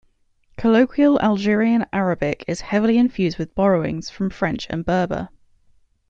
Colloquial Algerian Arabic is heavily infused with borrowings from French and Berber.